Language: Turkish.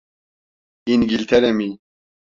İngiltere mi?